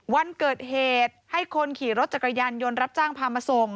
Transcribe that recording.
วันเกิดเหตุให้คนขี่รถจักรยานยนต์รับจ้างพามาส่ง